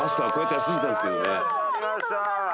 やりました